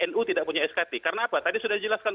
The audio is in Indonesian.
nu tidak punya skt karena apa tadi sudah dijelaskan